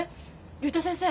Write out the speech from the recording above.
竜太先生